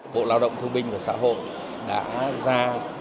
bộ lao động thương binh và xã hội đã giao